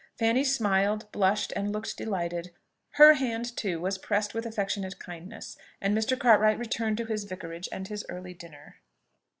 Fanny smiled, blushed, and looked delighted: her hand, too, was pressed with affectionate kindness; and Mr. Cartwright returned to his vicarage and his early dinner.